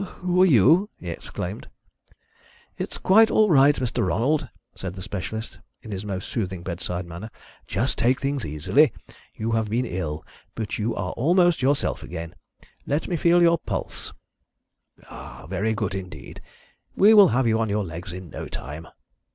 "Who are you?" he exclaimed. "It's quite all right, Mr. Ronald," said the specialist, in his most soothing bedside manner. "Just take things easily. You have been ill, but you are almost yourself again. Let me feel your pulse ha, very good indeed! We will have you on your legs in no time."